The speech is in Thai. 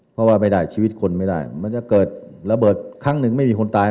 เพราะว่าไม่ได้ชีวิตคนไม่ได้มันจะเกิดระเบิดครั้งหนึ่งไม่มีคนตาย